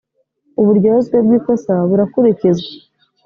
uburyozwe bw ‘ikosa burakurikizwa.